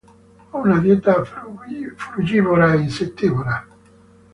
Ha una dieta frugivora e insettivora.